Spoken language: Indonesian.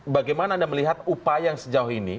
bagaimana anda melihat upaya yang sejauh ini